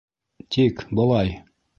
- Тик, былай.